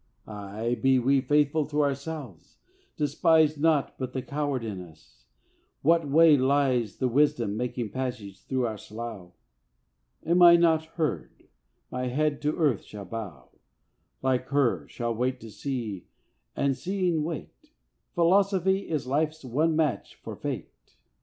Ay, be we faithful to ourselves: despise Nought but the coward in us! That way lies The wisdom making passage through our slough. Am I not heard, my head to Earth shall bow; Like her, shall wait to see, and seeing wait. Philosophy is Life's one match for Fate.